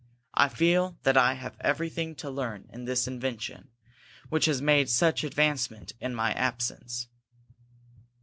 I feel that I have everything to learn in this invention, which has made such advancement in my absence."